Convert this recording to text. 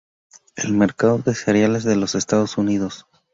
El mercado de cereales de los estados unidos.